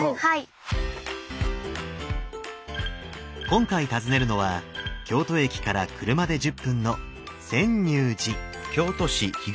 今回訪ねるのは京都駅から車で１０分の泉涌寺。